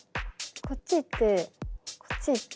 こっち行ってこっち行って。